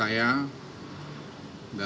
dan memang hubungan dengan united emirates arab